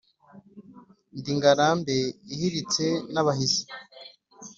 ndi ngarambe ihiritse n’abahizi